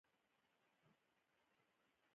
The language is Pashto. ولې استبدادي او استثماري بنسټونه ودرېدل.